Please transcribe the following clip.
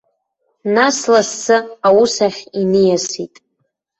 Нас лассы аус ахь иниасит.